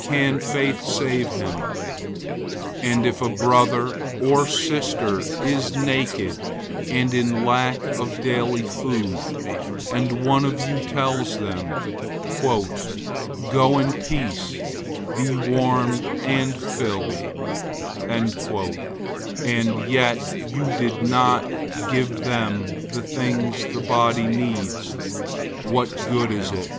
Can faith save him? 002:015 And if a brother or sister is naked and in lack of daily food, 002:016 and one of you tells them, "Go in peace, be warmed and filled;" and yet you didn't give them the things the body needs, what good is it?